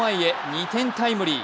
２点タイムリー。